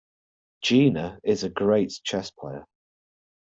Gina is a great chess player.